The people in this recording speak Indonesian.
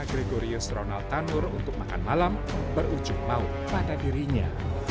agregorius ronald tanur untuk makan malam berujung maut pada dirinya